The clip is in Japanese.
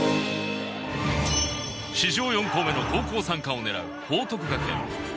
史上４校目の高校三冠をねらう報徳学園。